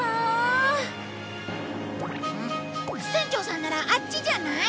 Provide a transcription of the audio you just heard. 船長さんならあっちじゃない？